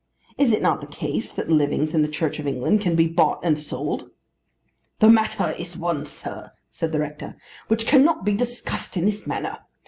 Is it not the case that livings in the Church of England can be bought and sold?" "The matter is one, sir," said the rector, "which cannot be discussed in this manner.